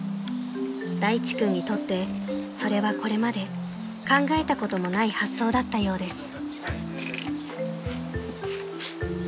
［大地君にとってそれはこれまで考えたこともない発想だったようです］